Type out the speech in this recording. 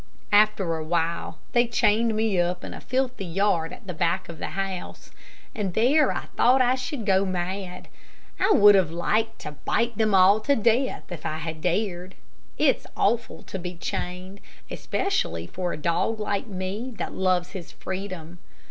After a while, they chained me up in a filthy yard at the back of the house, and there I thought I should go mad. I would have liked to bite them all to death, if I had dared. It's awful to be chained, especially for a dog like me that loves his freedom.